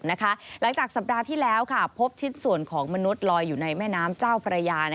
หลังจากสัปดาห์ที่แล้วพบชิ้นส่วนของมนุษย์ลอยอยู่ในแม่น้ำเจ้าพระยา